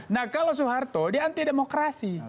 nah kalau soeharto dia anti demokrasi